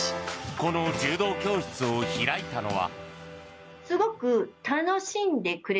この柔道教室を開いたのは。